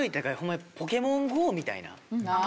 当時の『ポケモンＧＯ』みたいな。